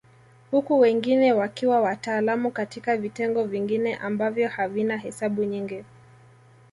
Huku wengine wakiwa wataalamu katika vitengo vingine ambavyo havina hesabu nyingi